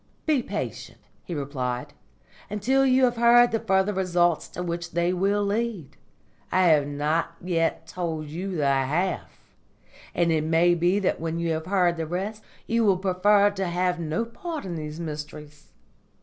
"Be patient," he replied, "until you have heard the further results to which they will lead. I have not yet told you the half, and it may be that when you have heard the rest you will prefer to have no part in these Mysteries.